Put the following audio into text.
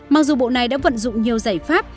mặc dù bộ này đã vận dụng nhiều giải pháp